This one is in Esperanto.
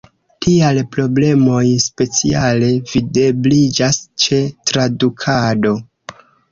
Tiaj problemoj speciale videbliĝas ĉe tradukado.